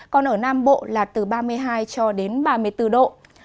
còn ở nam bộ là từ ba mươi hai cho đến ba mươi bốn độ